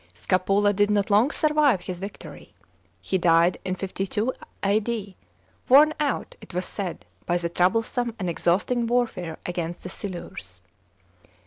Scapula did not long survive his victory. He died in 52 A.D., worn out, it was said, by the troublesome and exhausting warfare against the Silures.